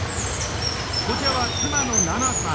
こちらは妻の奈那さん。